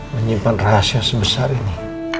menyimpan rahasia sebesar ini